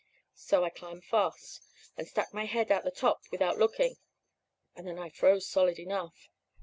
"So I climbed fast, and stuck my head out the top without looking and then I froze solid enough.